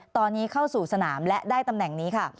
ตอนนี้เข้าสู่สนามและได้ตำแหน่งนี้ค่ะ